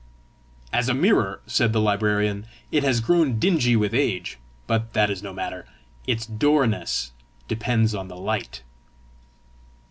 "As a mirror," said the librarian, "it has grown dingy with age; but that is no matter: its clearness depends on the light."